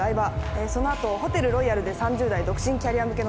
えーその後ホテルロイヤルで３０代独身キャリア向けのトークショー。